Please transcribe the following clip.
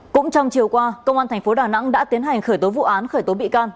cũng trong chiều qua công an thành phố đà nẵng đã tiến hành khởi tố vụ án khởi tố bị can